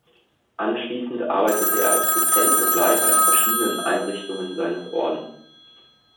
Anschließend arbeitete er als Dozent und Leiter in verschiedenen Einrichtungen seines Ordens.